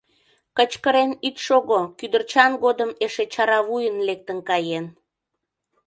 Кычкырен ит шого, кӱдырчан годым эше чаравуйын лектын каен.